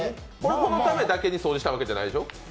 このためだけに掃除したわけじゃないでしょう？